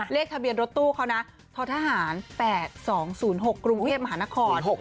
เลขทะเบียนรถตู้เขานะท้อทหาร๘๒๐๖กรุงเทพมหานคร